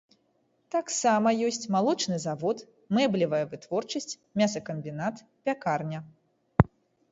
Таксама ёсць малочны завод, мэблевая вытворчасць, мясакамбінат, пякарня.